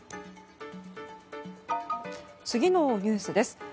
次のニュースです。